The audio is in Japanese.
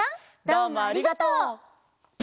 どうもありがとう！